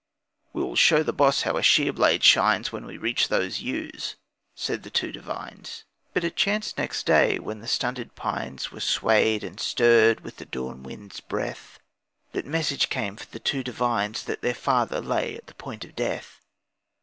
'We will show the boss how a shear blade shines When we reach those ewes,' said the two Devines. But it chanced next day when the stunted pines Were swayed and stirred with the dawn wind's breath, That a message came for the two Devines That their father lay at the point of death.